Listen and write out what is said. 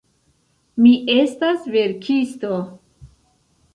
Mi estas verkisto.